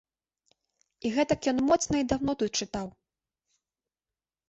І гэтак ён моцна і даўно тут чытаў!